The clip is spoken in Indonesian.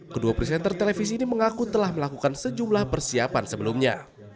kedua presenter televisi ini mengaku telah melakukan sejumlah persiapan sebelumnya